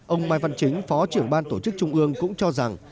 ông mai văn chính phó trưởng ban tổ chức trung ương cũng cho rằng